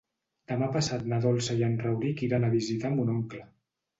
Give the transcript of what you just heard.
Demà passat na Dolça i en Rauric iran a visitar mon oncle.